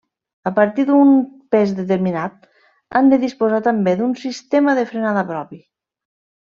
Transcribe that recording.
A partir d’un pes determinat han de disposar també d’un sistema de frenada propi.